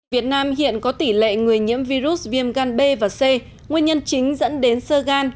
việt nam hiện có tỷ lệ người nhiễm virus viêm gan b và c nguyên nhân chính dẫn đến sơ gan